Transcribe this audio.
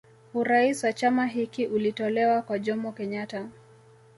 Urais wa chama hiki ulitolewa kwa Jomo Kenyatta